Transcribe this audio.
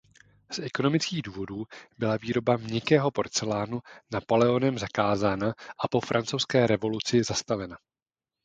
Z ekonomických důvodů byla výroba "měkkého porcelánu" Napoleonem zakázána a po Francouzské revoluci zastavena.